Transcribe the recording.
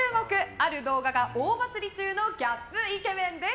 ある動画が大バズり中のギャップイケメンです。